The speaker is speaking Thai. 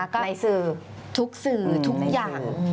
ในสื่อทุกสื่อทุกอย่าง